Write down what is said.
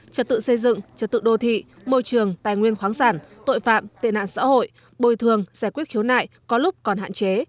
trật tự xây dựng trật tự đô thị môi trường tài nguyên khoáng sản tội phạm tệ nạn xã hội bồi thường giải quyết khiếu nại có lúc còn hạn chế